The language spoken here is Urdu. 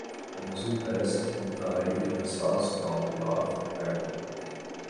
موضوع بحث انتہائی حساس معاملات ہیں۔